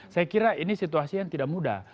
saya kira ini situasi yang tidak mudah